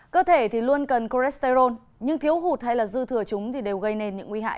cơ thể thì luôn cần cholesterol nhưng thiếu hụt hay dư thừa chúng đều gây nên những nguy hại